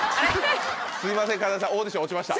すいませんかなでさんオーディション落ちました。